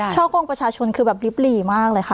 ช่อกงประชาชนคือแบบลิบหลีมากเลยค่ะ